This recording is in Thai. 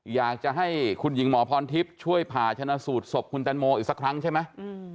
อยากจะให้คุณหญิงหมอพรทิพย์ช่วยผ่าชนะสูตรศพคุณแตงโมอีกสักครั้งใช่ไหม